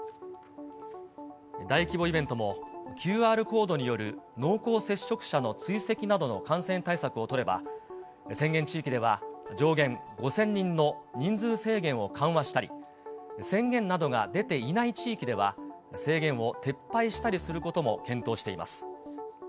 大規模イベントもＱＲコードによる濃厚接触者の追跡などの感染対策を取れば、宣言地域では上限５０００人の人数制限を緩和したり、宣言などが出ていない地域では、制限を撤廃したりすることも検討しています。